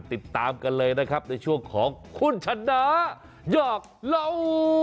ติดตามกันเลยนะครับในช่วงของคุณชนะหยอกเหล่า